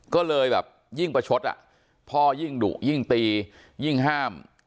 ก็เลยแบบยิ่งประชดอ่ะพ่อยิ่งดุยิ่งตียิ่งห้าม